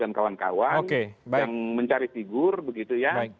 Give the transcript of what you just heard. dan kawan kawan yang mencari figur begitu ya